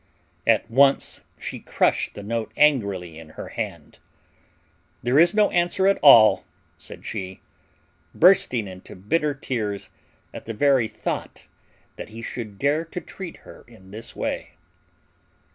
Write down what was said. At once she crushed the note angrily in her hand. "There is no answer at all," said she, bursting into bitter tears at the very thought that he should dare to treat her in this way.